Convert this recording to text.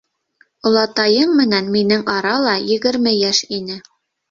Олатайың менән минең ара ла егерме йәш ине.